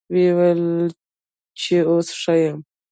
ويې ويل چې يه اوس ښه يمه.